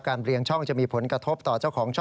เรียงช่องจะมีผลกระทบต่อเจ้าของช่อง